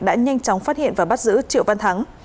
đã nhanh chóng phát hiện và bắt giữ triệu văn thắng